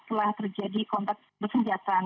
telah terjadi kontak bersendirian